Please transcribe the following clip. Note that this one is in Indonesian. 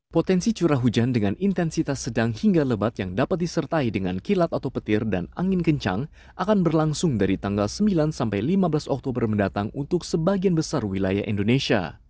potensi curah hujan dengan intensitas sedang hingga lebat yang dapat disertai dengan kilat atau petir dan angin kencang akan berlangsung dari tanggal sembilan sampai lima belas oktober mendatang untuk sebagian besar wilayah indonesia